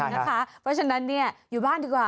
เพราะฉะนั้นอยู่บ้านดีกว่า